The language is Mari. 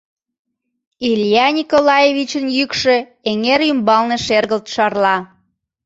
— Илья Николаевичын йӱкшӧ эҥер ӱмбалне шергылт шарла.